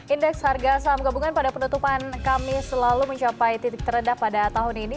indeks harga saham gabungan pada penutupan kami selalu mencapai titik terendah pada tahun ini